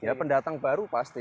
ya pendatang baru pasti